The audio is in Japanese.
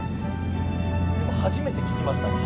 初めて聞きましたもん。